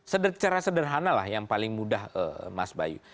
secara sederhana lah yang paling mudah mas bayu